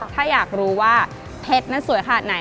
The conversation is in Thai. ถ้าอยากรู้ว่าเพชรนั้นสวยขนาดไหน